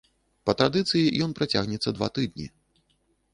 Па традыцыі ён працягнецца два тыдні.